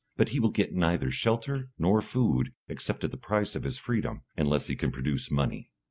But he will get neither shelter nor food, except at the price of his freedom, unless he can produce money.